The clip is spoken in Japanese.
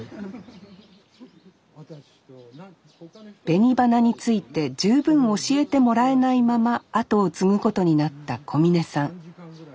紅花について十分教えてもらえないまま後を継ぐことになった小峯さん。